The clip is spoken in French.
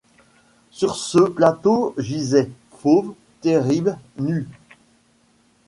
Sur ce. plateau gisait, fauve, terrible, nu